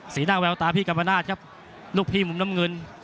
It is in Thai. หน้าแววตาพี่กรรมนาศครับลูกพี่มุมน้ำเงิน